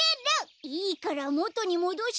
いいからもとにもどしてよ。